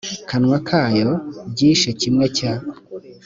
kanwa kayo byishe kimwe cya